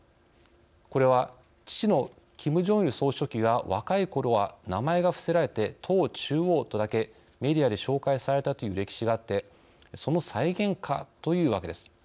これは父のキム・ジョンイル総書記が若いころは名前が伏せられて党中央とだけメディアで紹介されたという歴史があってその再現か、というわけです。